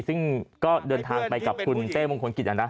ซึ่งก็เดินทางไปกับคุณเต้มงคลกิจนะ